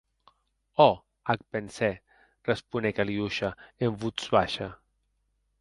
Òc, ac pensè, responec Aliosha en votz baisha.